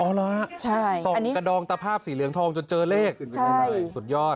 อ๋อเหรอส่วนกระดองตรับภาพสีเหลืองทองจนเจอเลขสุดยอด